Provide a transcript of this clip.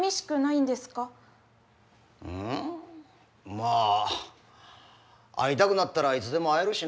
まあ会いたくなったらいつでも会えるしな。